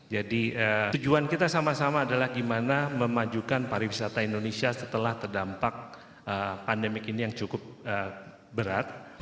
tujuan kita sama sama adalah gimana memajukan pariwisata indonesia setelah terdampak pandemik ini yang cukup berat